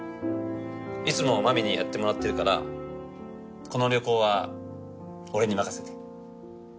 いつも真美にやってもらってるからこの旅行は俺に任せて。